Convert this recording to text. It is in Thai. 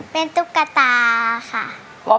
เป็นตุ๊กตาค่ะ